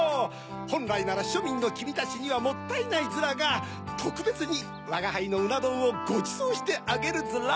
ほんらいならしょみんのきみたちにはもったいないヅラがとくべつにわがはいのうなどんをごちそうしてあげるヅラ。